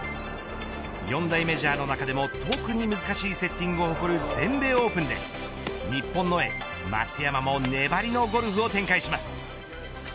４大メジャーの中でも特に難しいセッティングを誇る全米オープンで日本のエース松山も粘りのゴルフを展開します。